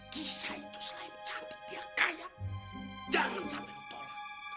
kisah itu selain cantik dia kaya jangan sampai tolak